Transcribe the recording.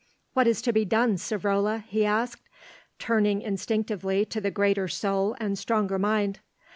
"What is to be done, Savrola?" he asked, turning instinctively to the greater soul and stronger mind.